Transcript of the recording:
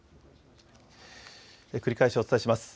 繰り返しお伝えします。